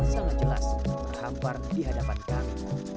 sangat jelas terhampar di hadapan kami